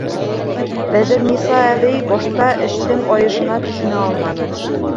Бәҙерниса әбей башта эштең айышына төшөнә алманы.